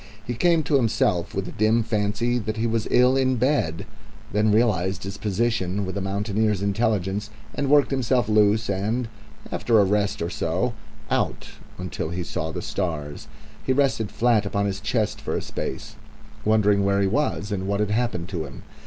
He came to himself with a dim fancy that he was ill in bed; then realised his position with a mountaineer's intelligence, and worked himself loose and, after a rest or so, out until he saw the stars. He rested flat upon his chest for a space, wondering where he was and what had happened to him.